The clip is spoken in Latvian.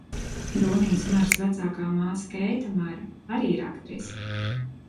Rūnijas Maras vecākā māsa Keita Mara arī ir aktrise.